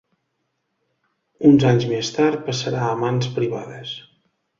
Uns anys més tard passarà a mans privades.